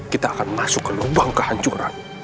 kita akan masuk ke lubang kehancuran